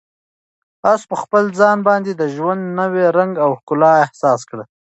آس په خپل ځان باندې د ژوند نوی رنګ او ښکلا احساس کړه.